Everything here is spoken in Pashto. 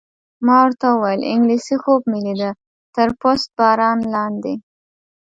ما ورته وویل: انګلېسي خوب مې لیده، تر پست باران لاندې.